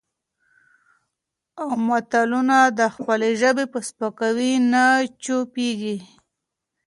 او ملتونه د خپلې ژبې په سپکاوي نه چوپېږي.